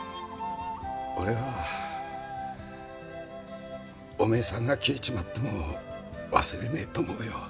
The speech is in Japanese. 俺はお前さんが消えちまっても忘れねえと思うよ。